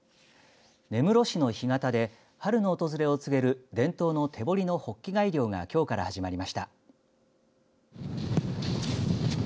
根室市の干潟で春の訪れを告げる伝統の手掘りのホッキ貝漁がきょうから始まりました。